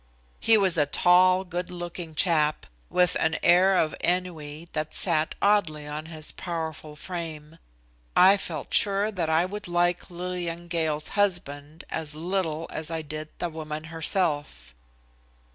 He was a tall, good looking chap, with an air of ennui that sat oddly on his powerful frame. I felt sure that I would like Lillian Gale's husband as little as I did the woman herself.